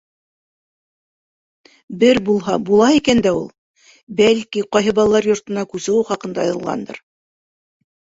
Бер булһа була икән дә ул. Бәлки, ҡайһы балалар йортона күсеүе хаҡында яҙылғандыр.